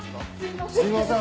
すいません